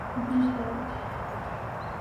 জি, sir.